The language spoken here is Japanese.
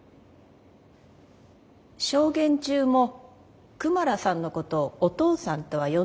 証言中もクマラさんのことを「お父さん」とは呼んでいませんね。